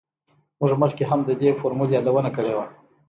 موږ مخکې هم د دې فورمول یادونه کړې وه